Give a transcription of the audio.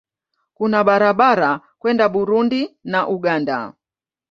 Kuna barabara kwenda Burundi na Uganda.